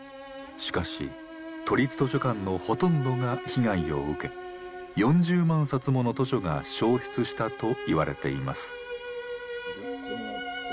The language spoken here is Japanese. しかし都立図書館のほとんどが被害を受け４０万冊もの図書が焼失したといわれています。